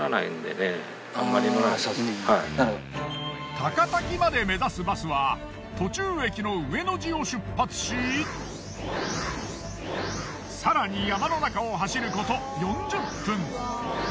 高滝まで目指すバスは途中駅の上野地を出発し更に山の中を走ること４０分。